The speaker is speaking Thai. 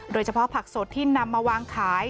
เฉพาะผักสดที่นำมาวางขาย